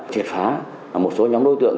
triệt phá một số nhóm đối tượng